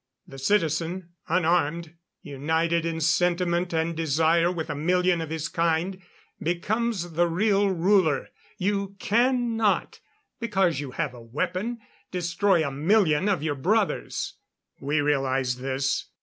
The citizen unarmed united in sentiment and desire with a million of his kind becomes the real ruler. You cannot because you have a weapon destroy a million of your brothers. We realized this.